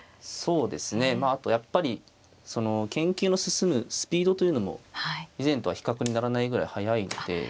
そうですねまああとやっぱり研究の進むスピードというのも以前とは比較にならないぐらい速いので。